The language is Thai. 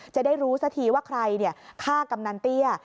จะได้รู้สักทีว่าใครฆ่ากำนันเตี้ย